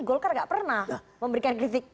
golkar gak pernah memberikan kritik